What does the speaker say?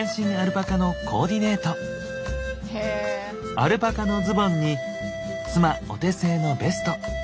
アルパカのズボンに妻お手製のベスト。